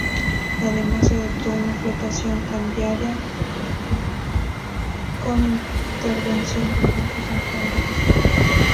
Además, se adoptó una flotación cambiaria con intervención del Banco Central de Reserva.